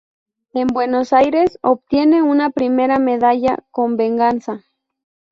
En Buenos Aires obtiene una primera medalla con "Venganza".